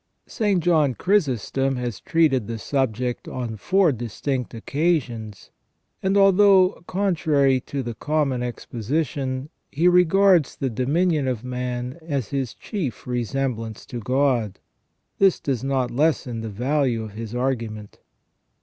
* St. John Chrysostom has treated the subject on four distinct occasions, and although, contrary to the common exposition, he regards the dominion of man as his chief resemblance to God, this does not lessen the value of his argument.